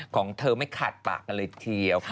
ของเธอไม่ขาดปากกันเลยทีเดียว